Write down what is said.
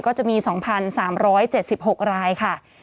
ก็จะมี๒๓๗๖รายค่ะ